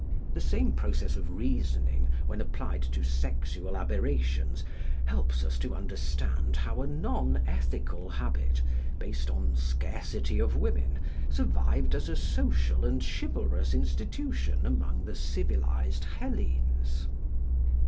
The same process of reasoning, when applied to sexual aberrations, helps us to understand how a non ethical habit, based on scarcity of women, survived as a social and chivalrous institution among the civilised Hellenes.